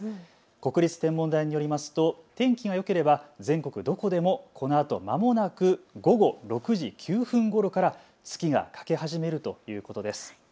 国立天文台によりますと天気がよければ全国どこでもこのあと、まもなく午後６時９分ごろから月が欠け始めるということです。